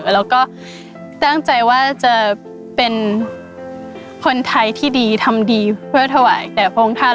แล้วก็ตั้งใจว่าจะเป็นคนไทยที่ดีทำดีเพื่อถวายแด่พระองค์ท่าน